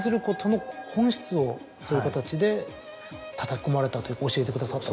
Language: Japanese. そういう形でたたき込まれたというか教えてくださった？